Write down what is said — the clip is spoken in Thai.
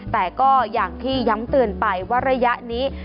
แต่ก็อย่างที่ย้ำเตือนไปว่าระยะนี้